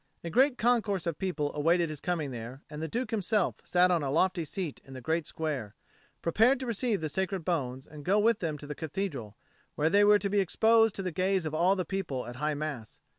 A great concourse of people awaited his coming there, and the Duke himself sat on a lofty seat in the great square, prepared to receive the sacred bones, and go with them to the Cathedral, where they were to be exposed to the gaze of the people at High Mass.